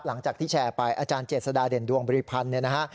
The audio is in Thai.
หลังจากที่แชร์ไปอาจารย์เจษฎาเด่นดวงบริพันธ์เนี่ยนะฮะ